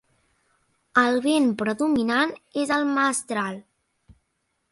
El vent predominant és el mestral.